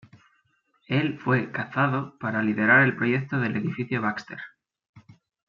Él fue "cazado" para liderar el proyecto del Edificio Baxter.